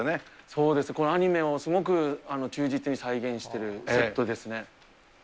そうですね、アニメをすごく忠実に再現してるセットですね。